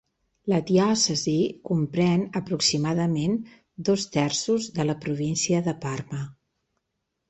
La diòcesi comprèn aproximadament dos terços de la província de Parma.